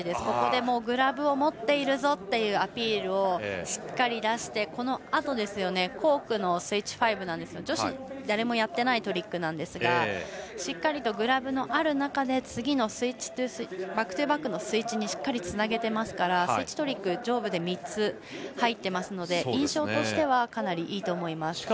そこでグラブを持っているぞというアピールをしっかり出して、そのあとのコークのスイッチ５４０ですが女子では誰もやっていないトリックなんですがしっかりグラブのある中次のバックトゥバックのスイッチにしっかりつなげてますからスイッチトリック上部で３つ入っていますので印象としてはかなり、いいと思います。